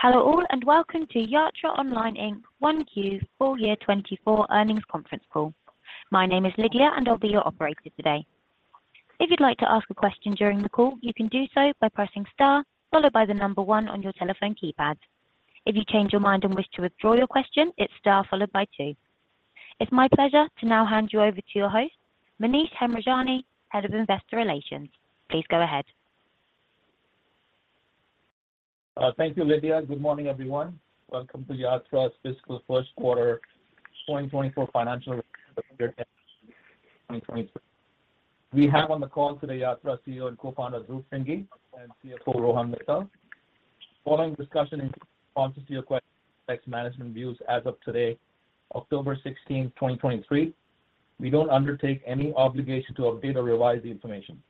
Hello all, and welcome to Yatra Online, Inc. 1Q full year 2024 earnings conference call. My name is Lydia, and I'll be your operator today. If you'd like to ask a question during the call, you can do so by pressing star, followed by the number 1 on your telephone keypad. If you change your mind and wish to withdraw your question, it's star followed by 2. It's my pleasure to now hand you over to your host, Manish Hemrajani, Head of Investor Relations. Please go ahead. Thank you, Lydia. Good morning, everyone. Welcome to Yatra's fiscal first quarter 2024 financial results. We have on the call today Yatra's CEO and Co-founder, Dhruv Shringi, and CFO, Rohan Mittal. Following discussion in response to your questions, management views as of today, October 16, 2023. We don't undertake any obligation to update or revise the information.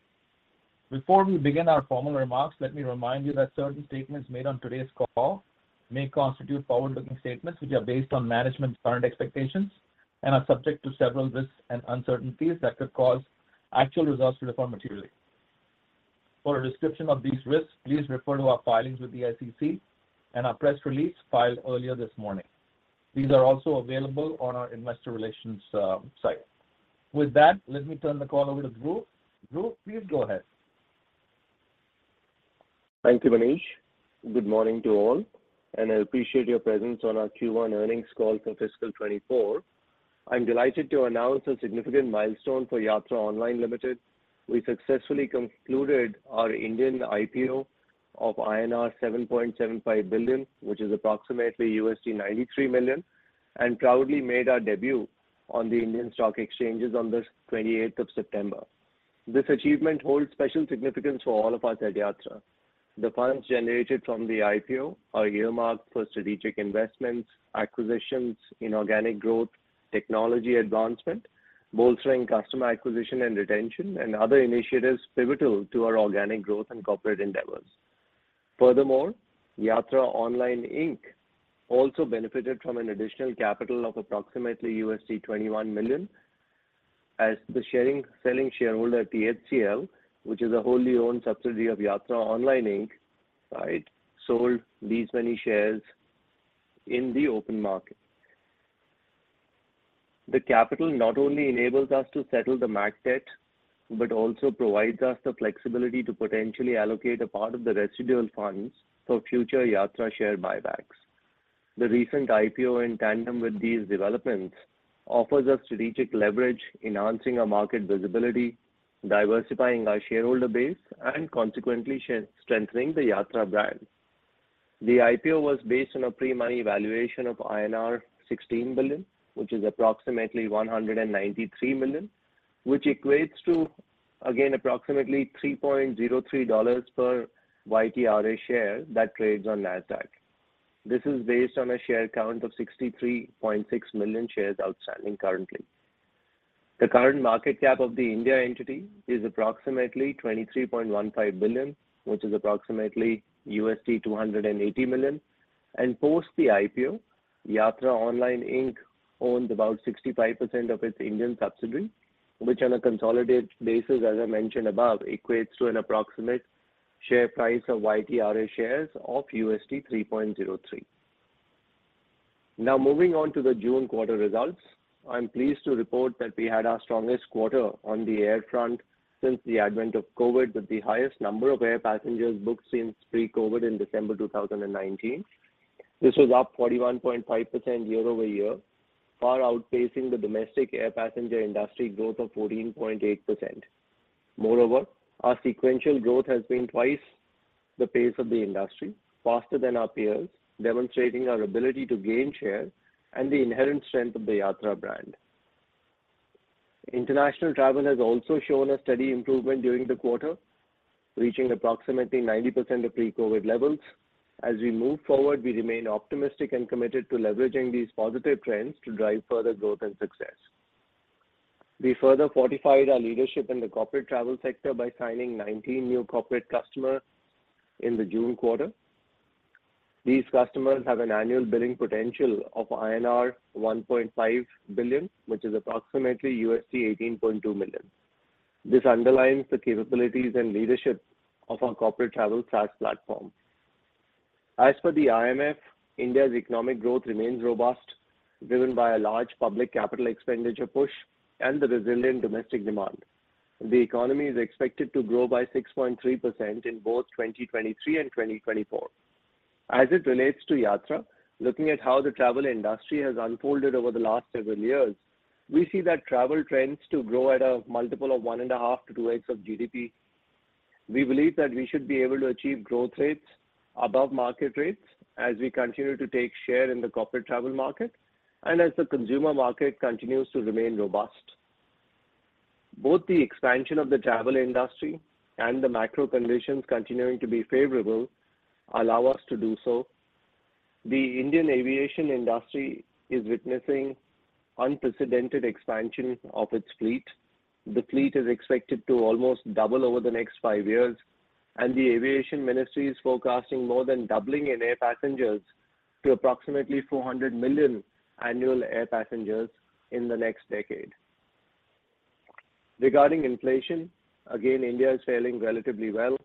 Before we begin our formal remarks, let me remind you that certain statements made on today's call may constitute forward-looking statements, which are based on management's current expectations and are subject to several risks and uncertainties that could cause actual results to differ materially. For a description of these risks, please refer to our filings with the SEC and our press release filed earlier this morning. These are also available on our investor relations site. With that, let me turn the call over to Dhruv. Dhruv, please go ahead. Thank you, Manish. Good morning to all, and I appreciate your presence on our Q1 earnings call for fiscal 2024. I'm delighted to announce a significant milestone for Yatra Online Limited. We successfully concluded our Indian IPO of INR 7.75 billion, which is approximately $93 million, and proudly made our debut on the Indian stock exchanges on the 28th of September. This achievement holds special significance for all of us at Yatra. The funds generated from the IPO are earmarked for strategic investments, acquisitions, inorganic growth, technology advancement, bolstering customer acquisition and retention, and other initiatives pivotal to our organic growth and corporate endeavors. Furthermore, Yatra Online, Inc. also benefited from an additional capital of approximately $21 million, as the selling shareholder, THCL, which is a wholly owned subsidiary of Yatra Online, Inc., right, sold these many shares in the open market. The capital not only enables us to settle the MAK debt, but also provides us the flexibility to potentially allocate a part of the residual funds for future Yatra share buybacks. The recent IPO, in tandem with these developments, offers us strategic leverage, enhancing our market visibility, diversifying our shareholder base, and consequently strengthening the Yatra brand. The IPO was based on a pre-money valuation of INR 16 billion, which is approximately $193 million, which equates to, again, approximately $3.03 per YTRA share that trades on Nasdaq. This is based on a share count of 63.6 million shares outstanding currently. The current market cap of the India entity is approximately 23.15 billion, which is approximately $280 million, and post the IPO, Yatra Online, Inc. owned about 65% of its Indian subsidiary, which on a consolidated basis, as I mentioned above, equates to an approximate share price of YTRA shares of $3.03. Now moving on to the June quarter results. I'm pleased to report that we had our strongest quarter on the air front since the advent of COVID, with the highest number of air passengers booked since pre-COVID in December 2019. This was up 41.5% year-over-year, far outpacing the domestic air passenger industry growth of 14.8%. Moreover, our sequential growth has been twice the pace of the industry, faster than our peers, demonstrating our ability to gain share and the inherent strength of the Yatra brand. International travel has also shown a steady improvement during the quarter, reaching approximately 90% of pre-COVID levels. As we move forward, we remain optimistic and committed to leveraging these positive trends to drive further growth and success. We further fortified our leadership in the corporate travel sector by signing 19 new corporate customers in the June quarter. These customers have an annual billing potential of INR 1.5 billion, which is approximately $18.2 million. This underlines the capabilities and leadership of our corporate travel SaaS platform. As for the IMF, India's economic growth remains robust, driven by a large public capital expenditure push and the resilient domestic demand. The economy is expected to grow by 6.3% in both 2023 and 2024. As it relates to Yatra, looking at how the travel industry has unfolded over the last several years, we see that travel tends to grow at a multiple of 1.5-2x of GDP. We believe that we should be able to achieve growth rates above market rates as we continue to take share in the corporate travel market and as the consumer market continues to remain robust. Both the expansion of the travel industry and the macro conditions continuing to be favorable allow us to do so. The Indian aviation industry is witnessing unprecedented expansion of its fleet. The fleet is expected to almost double over the next 5 years, and the Aviation Ministry is forecasting more than doubling in air passengers to approximately 400 million annual air passengers in the next decade. Regarding inflation, again, India is faring relatively well.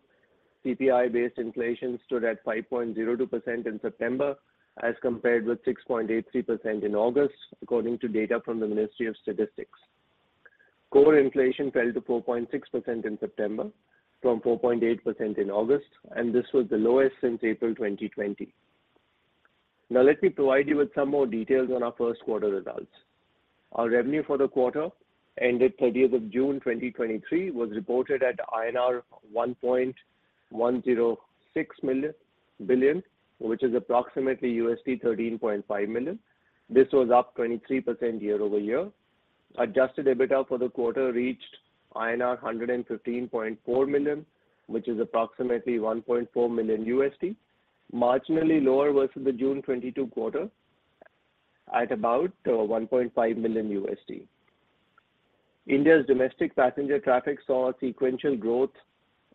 CPI-based inflation stood at 5.02% in September, as compared with 6.83% in August, according to data from the Ministry of Statistics. Core inflation fell to 4.6% in September from 4.8% in August, and this was the lowest since April 2020. Now, let me provide you with some more details on our first quarter results. Our revenue for the quarter ended 30th June 2023, was reported at INR 1.106 billion, which is approximately $13.5 million. This was up 23% year-over-year. Adjusted EBITDA for the quarter reached INR 115.4 million, which is approximately $1.4 million, marginally lower versus the June 2022 quarter at about $1.5 million. India's domestic passenger traffic saw a sequential growth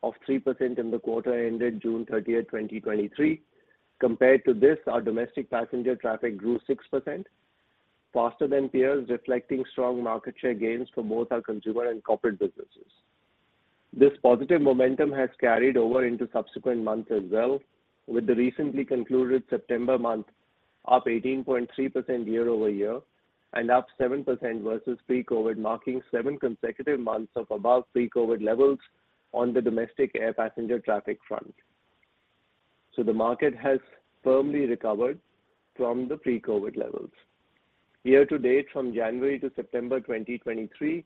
of 3% in the quarter ended June 30th, 2023. Compared to this, our domestic passenger traffic grew 6%, faster than peers, reflecting strong market share gains for both our consumer and corporate businesses. This positive momentum has carried over into subsequent months as well, with the recently concluded September month up 18.3% year-over-year and up 7% versus pre-COVID, marking 7 consecutive months of above pre-COVID levels on the domestic air passenger traffic front. So the market has firmly recovered from the pre-COVID levels. Year to date, from January to September 2023,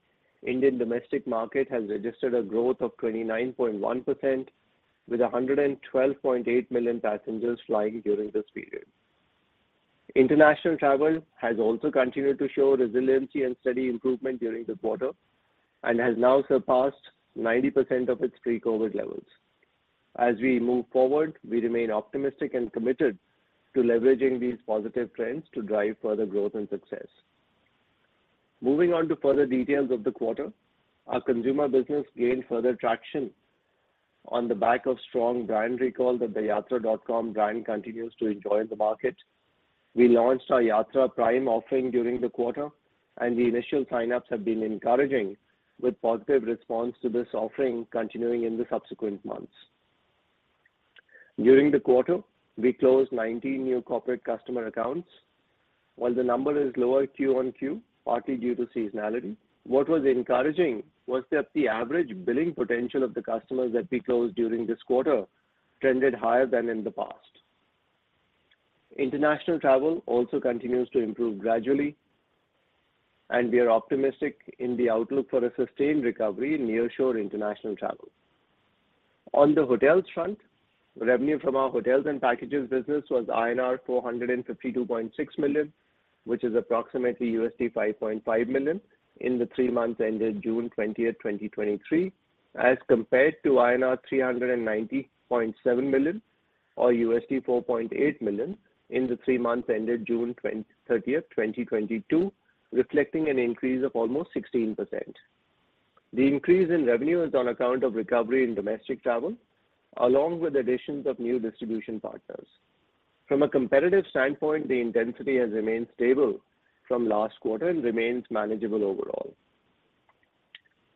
Indian domestic market has registered a growth of 29.1%, with 112.8 million passengers flying during this period. International travel has also continued to show resiliency and steady improvement during the quarter, and has now surpassed 90% of its pre-COVID levels. As we move forward, we remain optimistic and committed to leveraging these positive trends to drive further growth and success. Moving on to further details of the quarter, our consumer business gained further traction on the back of strong brand recall that the Yatra.com brand continues to enjoy in the market. We launched our Yatra Prime offering during the quarter, and the initial sign-ups have been encouraging, with positive response to this offering continuing in the subsequent months. During the quarter, we closed 19 new corporate customer accounts. While the number is lower Q-on-Q, partly due to seasonality, what was encouraging was that the average billing potential of the customers that we closed during this quarter tended higher than in the past. International travel also continues to improve gradually, and we are optimistic in the outlook for a sustained recovery in nearshore international travel. On the hotels front, revenue from our hotels and packages business was INR 452.6 million, which is approximately $5.5 million, in the three months ended June 30th, 2023, as compared to INR 390.7 million, or $4.8 million in the three months ended June 30th, 2022, reflecting an increase of almost 16%. The increase in revenue is on account of recovery in domestic travel, along with additions of new distribution partners. From a competitive standpoint, the intensity has remained stable from last quarter and remains manageable overall.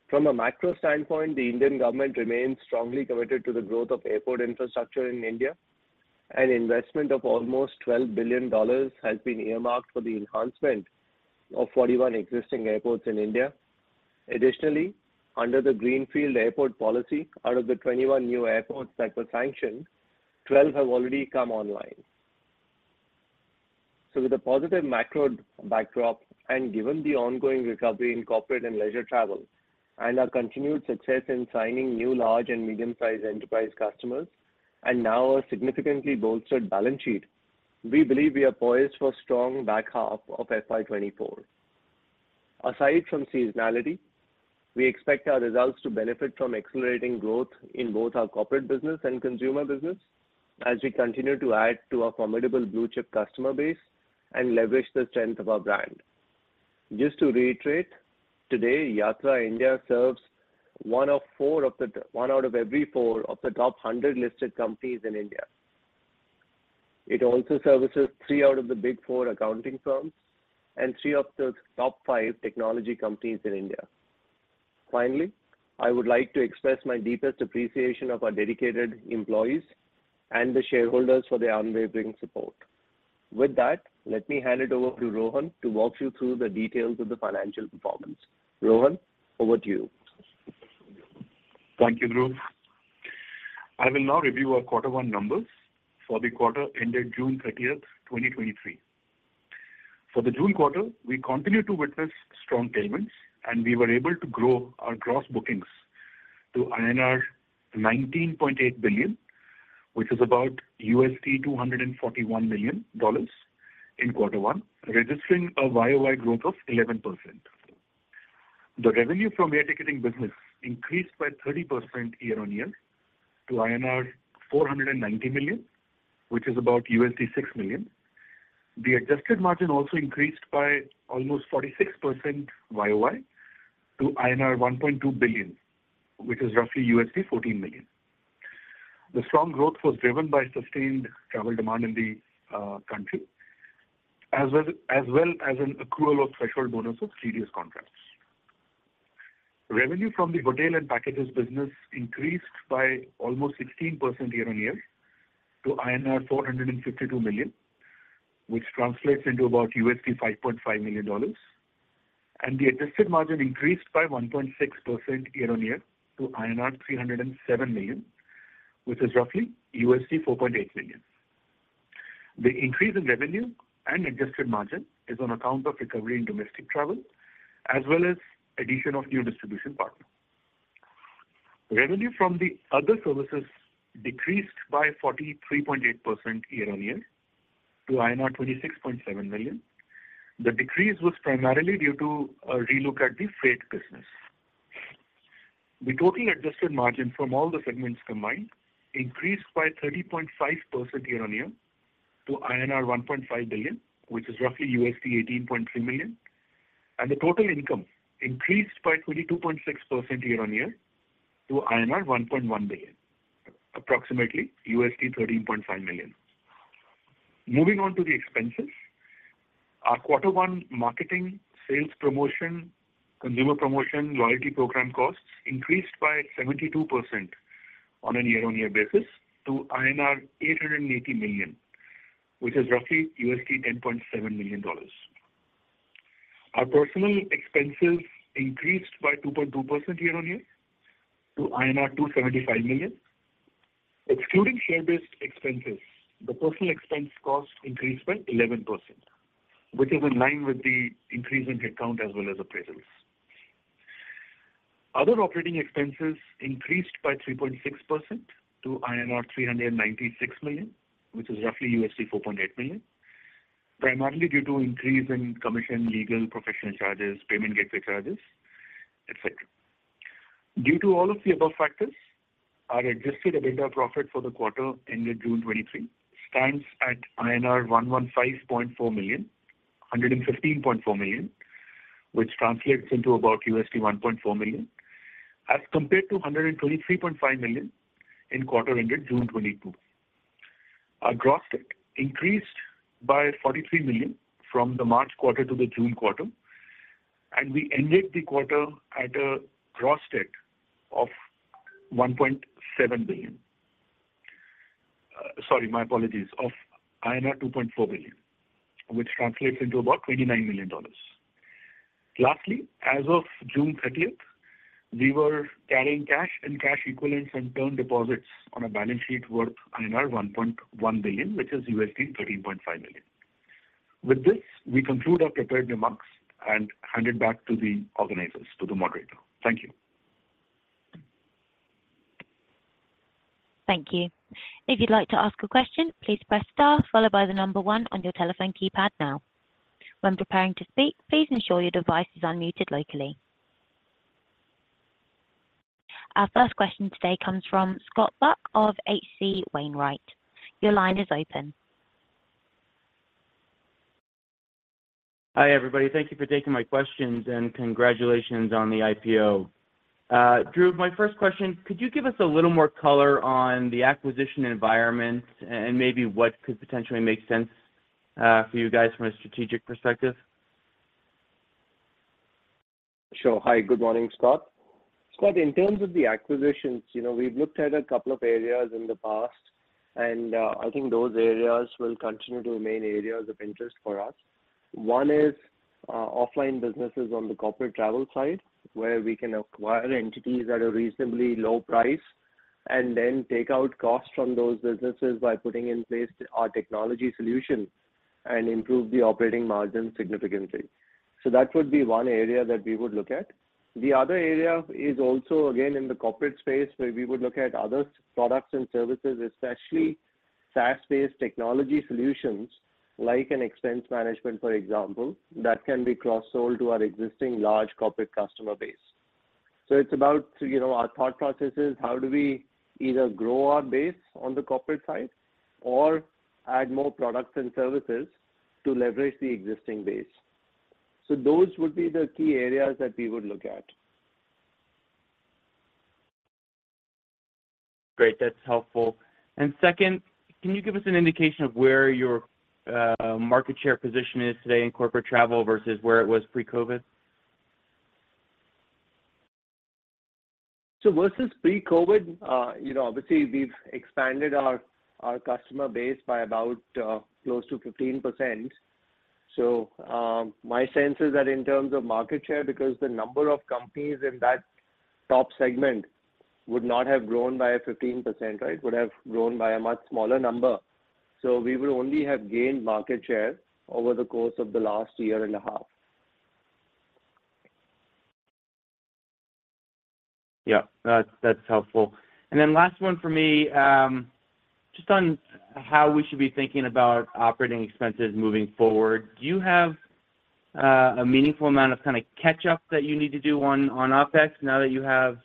From a macro standpoint, the Indian government remains strongly committed to the growth of airport infrastructure in India. An investment of almost $12 billion has been earmarked for the enhancement of 41 existing airports in India. Additionally, under the Greenfield Airport Policy, out of the 21 new airports that were sanctioned, 12 have already come online. So with a positive macro backdrop, and given the ongoing recovery in corporate and leisure travel, and our continued success in signing new large and medium-sized enterprise customers, and now a significantly bolstered balance sheet, we believe we are poised for strong back half of FY 2024. Aside from seasonality, we expect our results to benefit from accelerating growth in both our corporate business and consumer business as we continue to add to our formidable blue-chip customer base and leverage the strength of our brand. Just to reiterate, today, Yatra India serves one of four of the-- one out of every four of the top 100 listed companies in India. It also services three out of the Big Four accounting firms and three of the top five technology companies in India. Finally, I would like to express my deepest appreciation of our dedicated employees and the shareholders for their unwavering support. With that, let me hand it over to Rohan to walk you through the details of the financial performance. Rohan, over to you. Thank you, Dhruv. I will now review our quarter one numbers for the quarter ended June 30th, 2023. For the June quarter, we continued to witness strong tailwinds, and we were able to grow our gross bookings to INR 19.8 billion, which is about $241 million in quarter one, registering a YoY growth of 11%. The revenue from the air ticketing business increased by 30% year-on-year to INR 490 million, which is about $6 million. The adjusted margin also increased by almost 46% YoY to INR 1.2 billion, which is roughly $14 million. The strong growth was driven by sustained travel demand in the country, as well as an accrual of threshold bonus of previous contracts. Revenue from the hotel and packages business increased by almost 16% year-over-year to INR 452 million, which translates into about $5.5 million. The adjusted margin increased by 1.6% year-over-year to INR 307 million, which is roughly $4.8 million. The increase in revenue and adjusted margin is on account of recovery in domestic travel, as well as addition of new distribution partners. Revenue from the other services decreased by 43.8% year-over-year to INR 26.7 million. The decrease was primarily due to a relook at the freight business. The total adjusted margin from all the segments combined increased by 30.5% year-over-year to INR 1.5 billion, which is roughly $18.3 million. The total income increased by 22.6% year-over-year to INR 1.1 billion, approximately $13.5 million. Moving on to the expenses. Our quarter one marketing, sales promotion, consumer promotion, loyalty program costs increased by 72% on a year-over-year basis to INR 880 million, which is roughly $10.7 million dollars. Our personnel expenses increased by 2.2% year-over-year to INR 275 million. Excluding share-based expenses, the personnel expense cost increased by 11%, which is in line with the increase in headcount as well as appraisals. Other operating expenses increased by 3.6% to INR 396 million, which is roughly $4.8 million, primarily due to increase in commission, legal, professional charges, payment gateway charges, et cetera. Due to all of the above factors, our Adjusted EBITDA profit for the quarter ended June 2023 stands at 115.4 million, which translates into about $1.4 million, as compared to 123.5 million in quarter ended June 2022. Our gross debt increased by 43 million from the March quarter to the June quarter, and we ended the quarter at a gross debt of INR 2.4 billion, which translates into about $29 million. Lastly, as of June 30th, we were carrying cash and cash equivalents and term deposits on a balance sheet worth INR 1.1 billion, which is $13.5 million. With this, we conclude our prepared remarks and hand it back to the organizers, to the moderator. Thank you. Thank you. If you'd like to ask a question, please press Star followed by the number one on your telephone keypad now. When preparing to speak, please ensure your device is unmuted locally. Our first question today comes from Scott Buck of H.C. Wainwright. Your line is open. Hi, everybody. Thank you for taking my questions, and congratulations on the IPO. Dhruv, my first question, could you give us a little more color on the acquisition environment and maybe what could potentially make sense for you guys from a strategic perspective? Sure. Hi, good morning, Scott. Scott, in terms of the acquisitions, you know, we've looked at a couple of areas in the past, and I think those areas will continue to remain areas of interest for us. One is offline businesses on the corporate travel side, where we can acquire entities at a reasonably low price and then take out costs from those businesses by putting in place our technology solution and improve the operating margin significantly. So that would be one area that we would look at. The other area is also, again, in the corporate space, where we would look at other products and services, especially SaaS-based technology solutions, like an expense management, for example, that can be cross-sold to our existing large corporate customer base. So it's about, you know, our thought processes, how do we either grow our base on the corporate side or add more products and services to leverage the existing base? So those would be the key areas that we would look at. Great, that's helpful. Second, can you give us an indication of where your market share position is today in corporate travel versus where it was pre-COVID? So versus pre-COVID, you know, obviously we've expanded our, our customer base by about, close to 15%. So, my sense is that in terms of market share, because the number of companies in that top segment would not have grown by a 15%, right? It would have grown by a much smaller number. So we would only have gained market share over the course of the last year and a half. Yeah, that's, that's helpful. And then last one for me, just on how we should be thinking about operating expenses moving forward. Do you have a meaningful amount of kind of catch up that you need to do on, on OpEx now that you have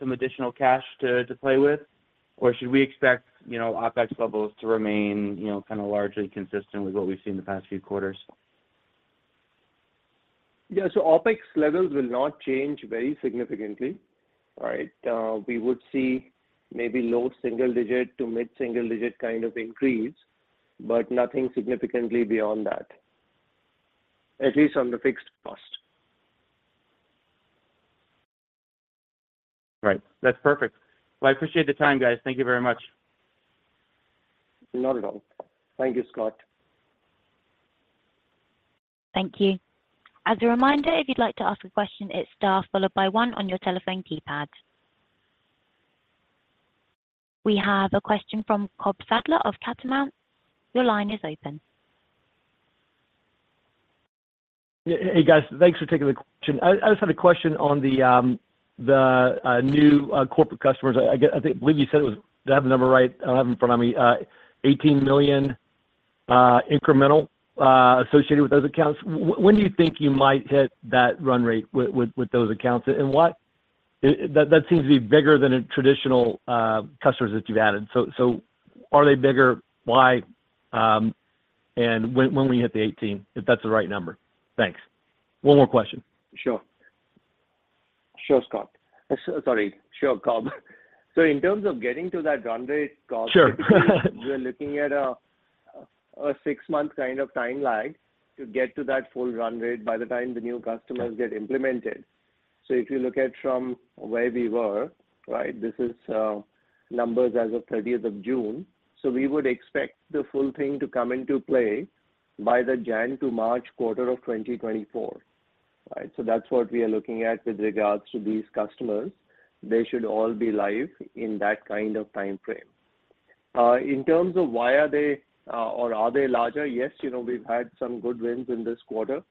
some additional cash to, to play with? Or should we expect, you know, OpEx levels to remain, you know, kind of largely consistent with what we've seen in the past few quarters? Yeah, so OpEx levels will not change very significantly, right? We would see maybe low single digit to mid single digit kind of increase, but nothing significantly beyond that. At least on the fixed cost. Right. That's perfect. Well, I appreciate the time, guys. Thank you very much. Not at all. Thank you, Scott. Thank you. As a reminder, if you'd like to ask a question, it's star followed by one on your telephone keypad. We have a question from Cobb Sadler of Catamount. Your line is open. Yeah. Hey, guys, thanks for taking the question. I just had a question on the new corporate customers. I think, believe you said it was... Do I have the number right? I don't have it in front of me. $18 million incremental associated with those accounts. When do you think you might hit that run rate with those accounts? And what? That seems to be bigger than a traditional customers that you've added. So are they bigger? Why? And when will you hit the 18, if that's the right number? Thanks. One more question. Sure. Sure, Scott. Sorry. Sure, Cobb. So in terms of getting to that run rate, Cobb- Sure. We're looking at a six-month kind of timeline to get to that full run rate by the time the new customers- Okay Get implemented. So if you look at from where we were, right, this is numbers as of 30th of June. So we would expect the full thing to come into play by the January to March quarter of 2024, right? So that's what we are looking at with regards to these customers. They should all be live in that kind of time frame. In terms of why are they or are they larger? Yes, you know, we've had some good wins in this quarter,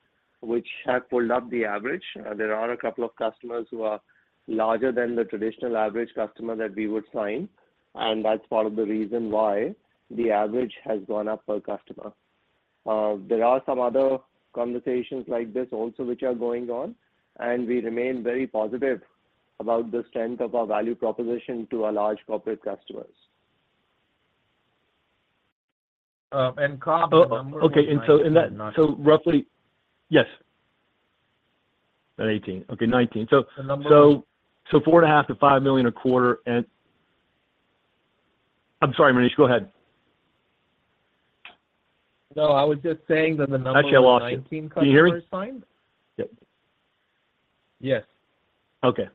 which have pulled up the average. There are a couple of customers who are larger than the traditional average customer that we would sign, and that's part of the reason why the average has gone up per customer. There are some other conversations like this also, which are going on, and we remain very positive about the strength of our value proposition to our large corporate customers. And Cobb, the number of- Okay, and so in that, so roughly. Yes. Not 18. Okay, 19. The number- So, $4.5 million-$5 million a quarter, and. I'm sorry, Manish, go ahead. No, I was just saying that the number- Actually, I lost you. Can you hear me? Yes. Okay.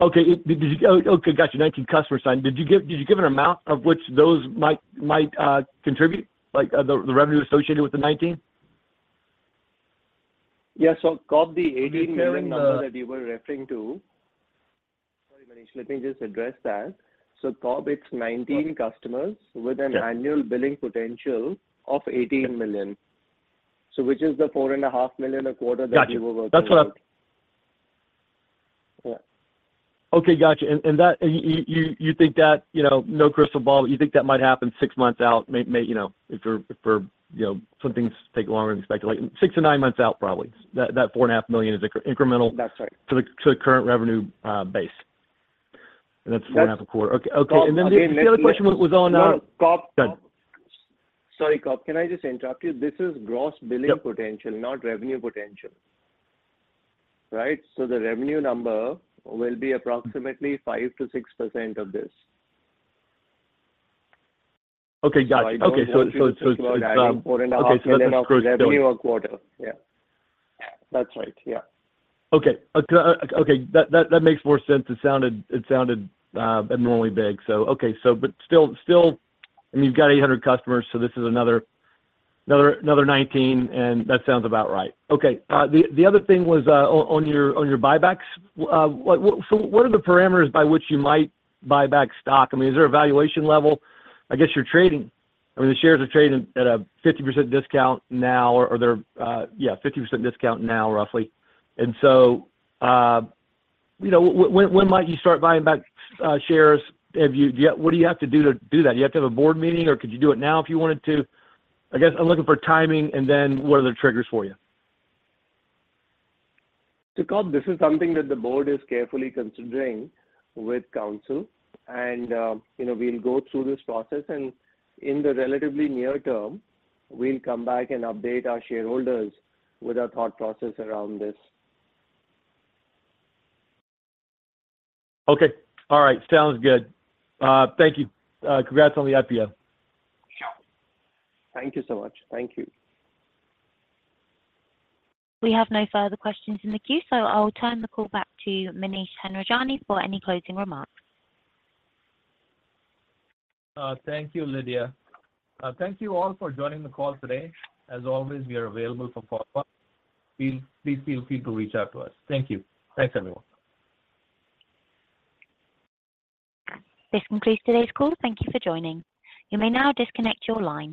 Okay, did you... Oh, okay, got you. 19 customers signed. Did you give an amount of which those might contribute? Like, the revenue associated with the 19? Yeah. So, Cobb, the $18 million number that you were referring to—Sorry, Manish, let me just address that. So, Cobb, it's 19 customers— Yeah With an annual billing potential of $18 million. So which is the $4.5 million a quarter that you were working with. Got you. That's what I- Yeah. Okay, got you. And that, you think that, you know, no crystal ball, you think that might happen six months out. May, you know, if for, you know, some things take longer than expected, like six to nine months out, probably, that $4.5 million is incremental- That's right To the current revenue base. That's 4.5 a quarter. Okay. Okay, and then the other question was on, No, Cobb, Cobb. Go ahead. Sorry, Cobb, can I just interrupt you? This is gross bookings- Yep Potential, not revenue potential, right? So the revenue number will be approximately 5%-6% of this. Okay, got you. So I don't want you to- Okay, so it's okay- $4.5 million of revenue a quarter. Yeah. That's right, yeah. Okay. Okay, that makes more sense. It sounded abnormally big. So but still, and you've got 800 customers, so this is another 19, and that sounds about right. Okay, the other thing was on your buybacks. What are the parameters by which you might buy back stock? I mean, is there a valuation level? I guess you're trading, I mean, the shares are trading at a 50% discount now, or they're yeah, 50% discount now, roughly. And so you know, when might you start buying back shares? Have you— Do you have— What do you have to do to do that? Do you have to have a board meeting, or could you do it now if you wanted to? I guess I'm looking for timing, and then what are the triggers for you? So, Cobb, this is something that the board is carefully considering with counsel. And, you know, we'll go through this process, and in the relatively near term, we'll come back and update our shareholders with our thought process around this. Okay. All right. Sounds good. Thank you. Congrats on the IPO. Sure. Thank you so much. Thank you. We have no further questions in the queue, so I'll turn the call back to Manish Hemrajani for any closing remarks. Thank you, Lydia. Thank you all for joining the call today. As always, we are available for follow-up. Please, please feel free to reach out to us. Thank you. Thanks, everyone. This concludes today's call. Thank you for joining. You may now disconnect your line.